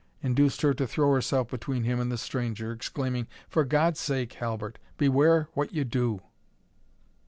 induced her to throw herself between him and the stranger, exclaiming, "for God's sake, Halbert, beware what you do!"